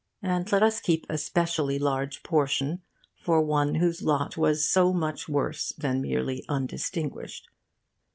And let us keep a specially large portion for one whose lot was so much worse than merely undistinguished.